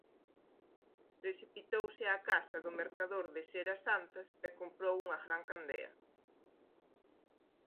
Precipitouse á casa do mercador de ceras santas e comprou unha gran candea.